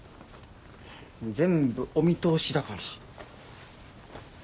全部お見通しだから。